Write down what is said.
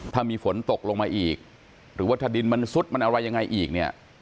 ถ้ามีฝนตกลงมาอีกหรือว่าถ้าดินมันซุดมันอะไรยังไงอีกเนี่ย